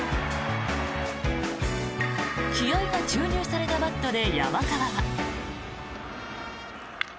気合が注入されたバットで山川は。